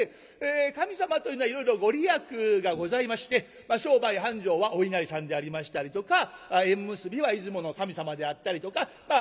神様というのはいろいろ御利益がございまして商売繁盛はお稲荷さんでありましたりとか縁結びは出雲の神様であったりとかまあ